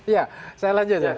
ya saya lanjut ya